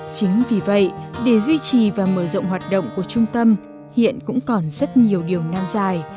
chính vì vậy để duy trì và mở rộng hoạt động của trung tâm hiện cũng còn rất nhiều điều nan dài